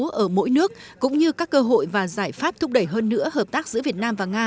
phát triển kinh tế số ở mỗi nước cũng như các cơ hội và giải pháp thúc đẩy hơn nữa hợp tác giữa việt nam và nga